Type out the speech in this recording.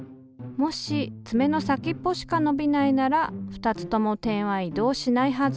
もしつめの先っぽしか伸びないなら２つとも点は移動しないはず。